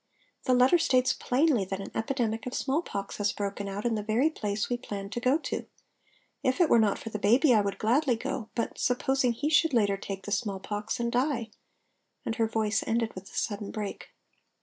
"The letter states plainly that an epidemic of smallpox has broken out in the very place we planned to go to. If it were not for baby I would gladly go; but supposing he should later take the smallpox and die?" and her voice ended with a sudden break.